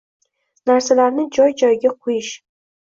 Narsalarni joy-joyiga qo‘yish.